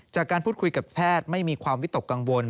จากการพูดคุยกับแพทย์ไม่มีความวิตกกังวล